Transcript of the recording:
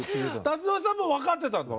達郎さんも分かってたんだ。